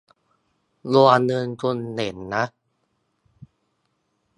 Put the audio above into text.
ดวงเงินคุณเด่นนะ